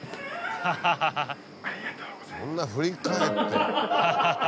そんな振り返って。